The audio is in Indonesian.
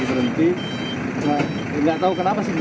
kita lagi ngantri mau bayar tol ya